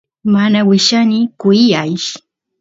mana willani kuyaysh